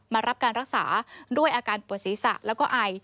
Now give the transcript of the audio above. รับการรักษาด้วยอาการปวดศีรษะแล้วก็ไอ